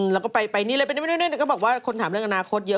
แล้วก็ไปนี่เลยไปนี่ก็บอกว่าคนถามเรื่องอนาคตเยอะ